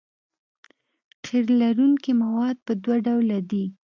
قیر لرونکي مواد په دوه ډوله دي